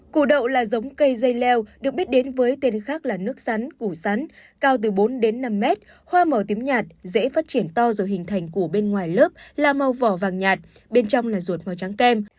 củ đậu là giống cây dây leo được biết đến với tên khác là nước sắn củ sắn cao từ bốn đến năm mét hoa màu tím nhạt dễ phát triển to rồi hình thành củ bên ngoài lớp là màu vỏ vàng nhạt bên trong là ruột màu trắng kem